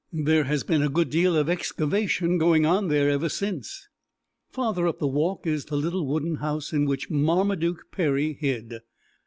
There has been a good deal of excavation going on there ever since. Farther up the walk is the little wooden house in which Marmaduke Perry hid.